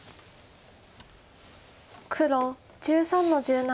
黒１３の十七。